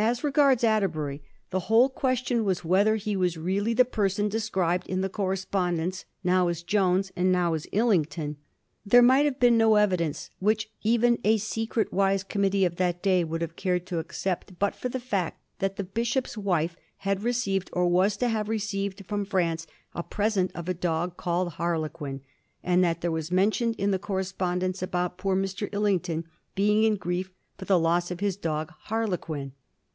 As regards Atterbury, the whole question Digiti zed by Google 1723 51 ATTEKBURyS EXILE AND DEATH. 291 was whether he was really the person described in the correspondence now as Jones and now as niington. There might have been no evidence which even a ^ secret, wise ' committee of that day would have cared to accept but for the fact that the bishop's wife had received, or was to have received, from France a present of a dog called Harlequin, and that there was mention in the correspondence about poor Mr. IDington being in grief for the loss of his dog Harlequin.